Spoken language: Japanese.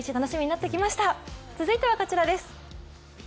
続いてはこちらです。